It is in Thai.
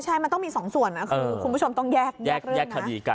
ใช่มันต้องมีสองส่วนคุณผู้ชมต้องแยกเรื่องนะ